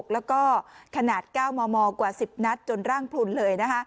แล้วก็ขนาด๙มมกว่า๑๐นัดจนร่างพลุนเลย